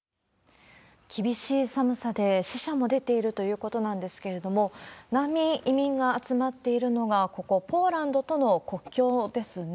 厳しい寒さで死者も出ているということなんですけれども、難民、移民が集まっているのがここポーランドとの国境ですね。